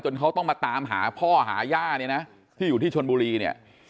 เขาต้องมาตามหาพ่อหาย่าเนี่ยนะที่อยู่ที่ชนบุรีเนี่ย